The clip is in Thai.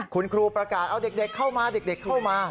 คุณครูประกาศเอาเด็กเข้ามา